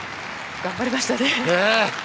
頑張りましたね。